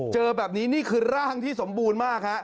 เจอแบบนี้นี่คือร่างที่สมบูรณ์มากฮะ